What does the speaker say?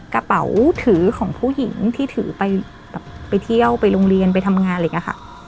กระเป๋าถือของผู้หญิงที่ถือไปแบบไปเที่ยวไปโรงเรียนไปทำงานอะไรอย่างนี้ค่ะ